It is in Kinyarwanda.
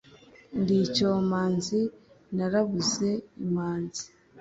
ndi icyomanzi narabuze imanzi’